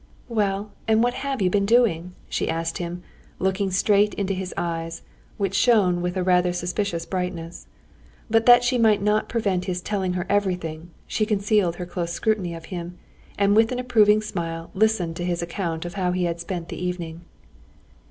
"Well, and what have you been doing?" she asked him, looking straight into his eyes, which shone with rather a suspicious brightness. But that she might not prevent his telling her everything, she concealed her close scrutiny of him, and with an approving smile listened to his account of how he had spent the evening.